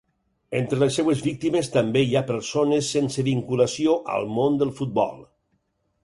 Entre les seues víctimes també hi ha persones sense vinculació al món del futbol.